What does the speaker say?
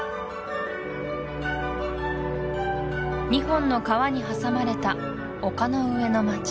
２本の川に挟まれた丘の上の街